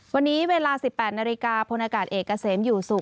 วันนี้เวลา๑๘นาฬิกาพลอากาศเอกเกษมอยู่สุข